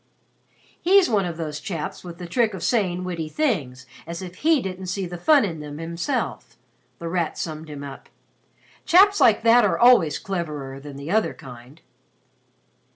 "He's one of those chaps with the trick of saying witty things as if he didn't see the fun in them himself," The Rat summed him up. "Chaps like that are always cleverer than the other kind."